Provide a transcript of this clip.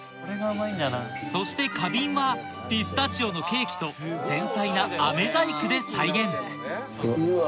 そして花瓶はピスタチオのケーキと繊細な飴細工で再現うわ！